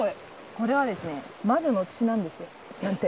これはですね魔女の血なんですよ。なんて。